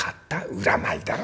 売らないだろ